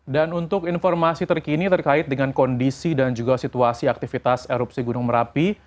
dan untuk informasi terkini terkait dengan kondisi dan juga situasi aktivitas erupsi gunung merapi